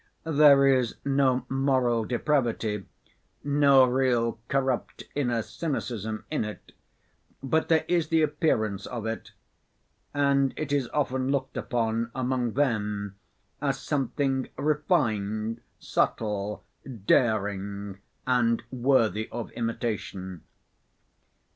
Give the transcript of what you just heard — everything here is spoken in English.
There is no moral depravity, no real corrupt inner cynicism in it, but there is the appearance of it, and it is often looked upon among them as something refined, subtle, daring, and worthy of imitation.